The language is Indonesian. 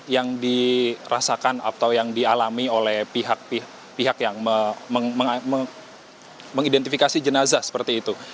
yang dirasakan atau yang dialami oleh pihak pihak yang mengidentifikasi jenazah seperti itu